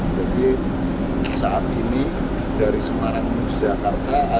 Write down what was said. jadi saat ini dari semarang ke jakarta